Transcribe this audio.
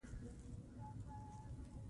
جنابه! آيا تيږي سوزي؟